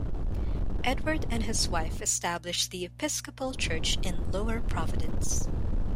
Edward and his wife established the Episcopal church in Lower Providence.